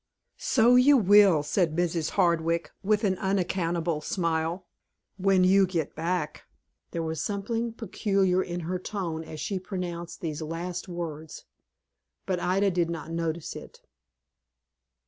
"So you will," said Mrs. Hardwick, with an unaccountable smile, "when you get back." There was something peculiar in her tone as she pronounced these last words, but Ida did not notice it.